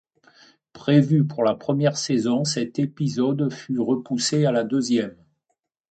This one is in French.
Prévu pour la première saison, cet épisode fut repoussé à la deuxième.